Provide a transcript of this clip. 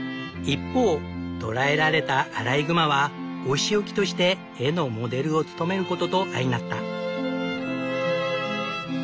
一方捕らえられたアライグマはお仕置きとして絵のモデルを務めることと相成った。